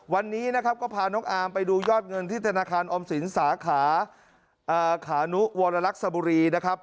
วันนี้นะครับก็พาน้องอาร์มไปดูยอดเงินที่ธนาคารออมสินสาขาขานุวรรลักษบุรีนะครับ